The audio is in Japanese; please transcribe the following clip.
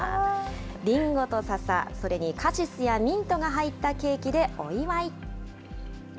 リンゴとササ、それにカシスやミントが入ったケーキでお祝い。